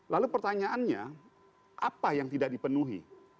lalu pertanyaannya apa yang tidak dipenuhi